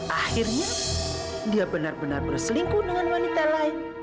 akhirnya dia benar benar berselingkuh dengan wanita lain